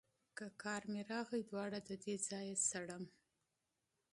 که قار مې راغی دواړه ددې ځايه شړمه.